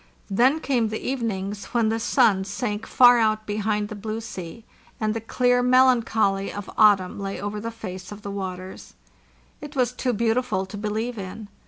Then came the evenings when the sun sank far out behind the blue sea, and the clear melancholy of autumn lay over the face of the wa ters. It was too beautiful to believe in.